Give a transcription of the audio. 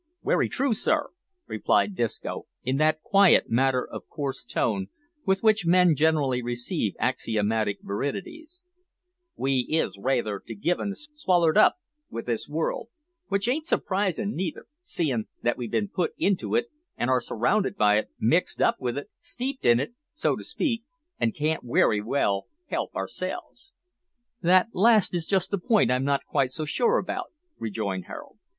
"Werry true, sir," replied Disco, in that quiet matter of course tone with which men generally receive axiomatic verities; "we is raither given to be swallered up with this world, which ain't surprisin' neither, seein' that we've bin putt into it, and are surrounded by it, mixed up with it, steeped in it, so to speak, an' can't werry well help ourselves." "That last is just the point I'm not quite so sure about," rejoined Harold.